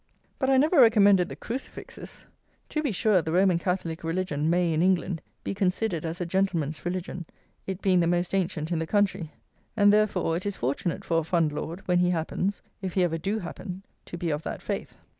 But I never recommended the Crucifixes! To be sure, the Roman Catholic religion may, in England, be considered as a gentleman's religion, it being the most ancient in the country; and therefore it is fortunate for a Fundlord when he happens (if he ever do happen) to be of that faith.